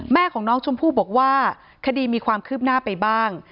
แม่ของน้องชมพู่บอกว่าคดีมีความคืบหน้าไปบ้าง